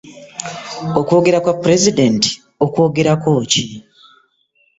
Okwogera kwa pulezidenti okwogerako ki?